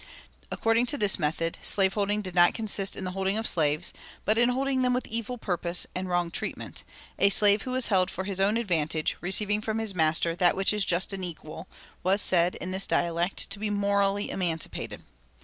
According to this method, slave holding did not consist in the holding of slaves, but in holding them with evil purpose and wrong treatment; a slave who was held for his own advantage, receiving from his master "that which is just and equal," was said, in this dialect, to be "morally emancipated."